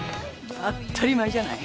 当たり前じゃない。